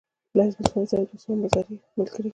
له حزب اسلامي سره يې دوستم او مزاري ملګري کړل.